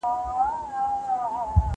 نبي کريم عليه السلام ولي بېرته ووت؟